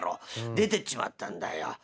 出ていっちまったんだよ。